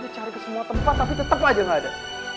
lu ada cari ke semua tempat tapi tetep aja gaada